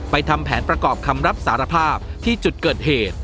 ทำแผนประกอบคำรับสารภาพที่จุดเกิดเหตุ